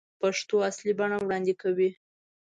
پېښو اصلي بڼه وړاندې کوي.